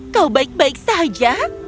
kau baik baik saja